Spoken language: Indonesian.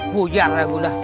bujar kayak gudah